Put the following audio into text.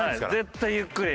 絶対ゆっくり。